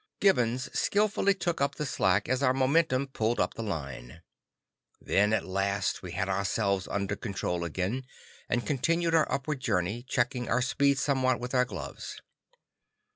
Gibbons skilfully took up the slack as our momentum pulled up the line. Then at last we had ourselves under control again, and continued our upward journey, checking our speed somewhat with our gloves.